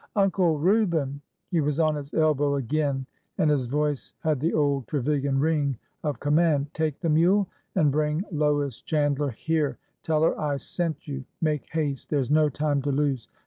Uncle Reuben !" He was on his elbow again and his voice had the old Trevilian ring of command. Take the mule and bring Lois Chandler here. Tell her I sent you. Make haste! There 's no time to lose!